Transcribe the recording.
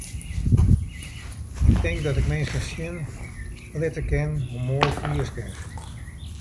Ik tink dat ik minsken sjen litte kin hoe moai Frysk is.